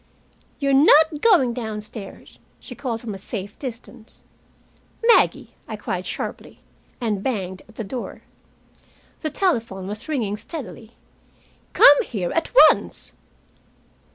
"You're not going downstairs," she called, from a safe distance. "Maggie!" I cried, sharply. And banged at the door. The telephone was ringing steadily. "Come here at once."